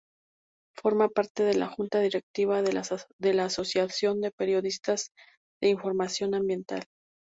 Forma parte de la Junta Directiva de la Asociación de Periodistas de Información Ambiental.